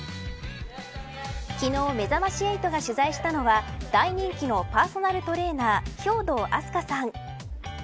昨日めざまし８が取材したのは大人気のパーソナルトレーナー兵藤明日香さん。